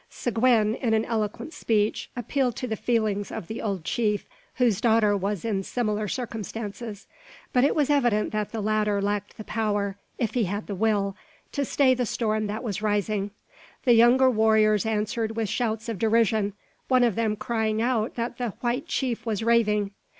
Seguin, in an eloquent speech, appealed to the feelings of the old chief, whose daughter was in similar circumstances; but it was evident that the latter lacked the power, if he had the will, to stay the storm that was rising. The younger warriors answered with shouts of derision, one of them crying out that "the white chief was raving."